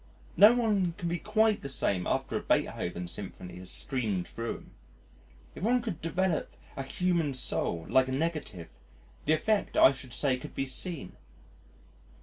No one can be quite the same after a Beethoven Symphony has streamed thro' him. If one could develop a human soul like a negative the effect I should say could be seen....